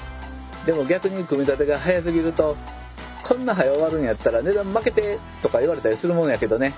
でも逆に組み立てが速すぎると「こんなはよ終わるんやったら値段まけて」とか言われたりするものやけどね。